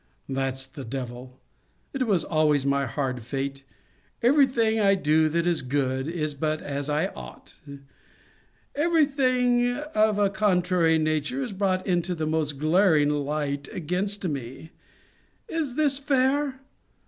That's the devil; and it was always my hard fate every thing I do that is good, is but as I ought! Every thing of a contrary nature is brought into the most glaring light against me Is this fair?